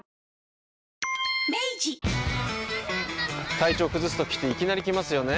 体調崩すときっていきなり来ますよね。